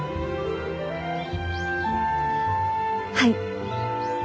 はい。